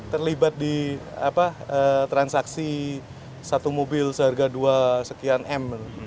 terlibat di transaksi satu mobil seharga dua sekian m